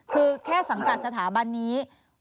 คือแค่สังกัดสถาบันนี้